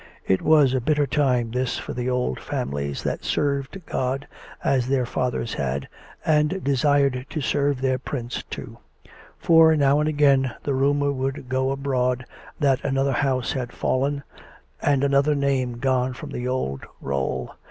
It was a bitter time, this, for the old families that served God as their fathers had, and desired to serve their prince too; for, now and again, the rumour would go abroad that another house had fallen, and another name gone from the old roll.